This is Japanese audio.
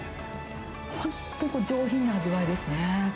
本当これ、上品な味わいですね。